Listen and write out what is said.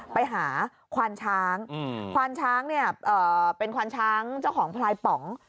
ไปหาควานช้างควานช้างเนี่ยเป็นควานช้างเจ้าของพลายป๋อง